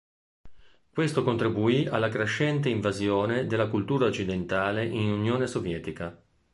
Questo contribuì alla crescente invasione della cultura occidentale in Unione Sovietica.